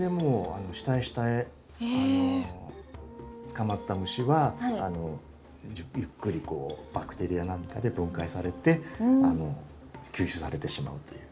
捕まった虫はゆっくりバクテリアなんかで分解されて吸収されてしまうという。